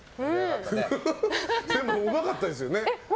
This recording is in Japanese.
でもうまかったですよね。